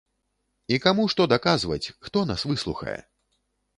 І каму што даказваць, хто нас выслухае?